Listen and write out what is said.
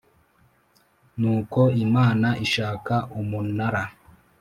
n uko Imana ishaka Umunara